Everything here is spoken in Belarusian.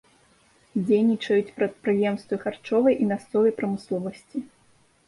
Дзейнічаюць прадпрыемствы харчовай і мясцовай прамысловасці.